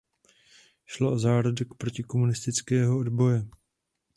Šlo o zárodek protikomunistického odboje.